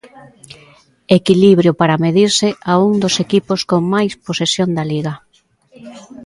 Equilibrio para medirse a un dos equipos con máis posesión da Liga.